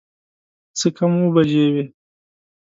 څه کم اووه بجې وې.